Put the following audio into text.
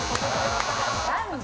何で？